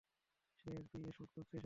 সে বিয়ে শোট করতে এসেছে।